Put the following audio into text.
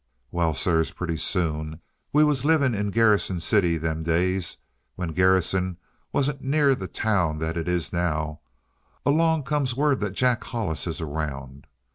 "Well, sirs, pretty soon we was living in Garrison City them days, when Garrison wasn't near the town that it is now along comes word that Jack Hollis is around.